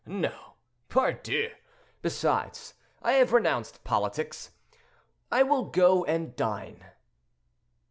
No, pardieu! Besides, I have renounced politics; I will go and dine."